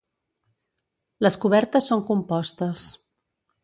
Les cobertes són compostes.